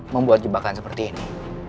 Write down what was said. membuat jebakan seperti ini